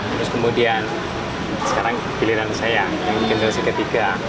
terus kemudian sekarang pilihan saya yang generasi ketiga